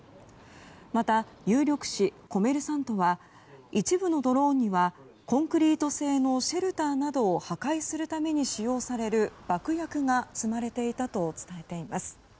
また、有力紙コメルサントは一部のドローンにはコンクリート製のシェルターなどを破壊するために使用される爆薬が積まれていたと伝えています。